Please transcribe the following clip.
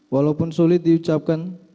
walaupun sulit diucapkan